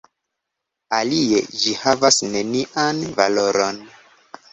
Alie ĝi havas nenian valoron.